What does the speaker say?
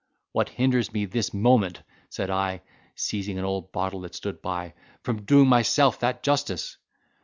What hinders me this moment," said I, seizing an old bottle that stood by, "from doing myself that justice?"